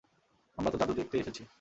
আমরা তো যাদু দেখতে এসেছি।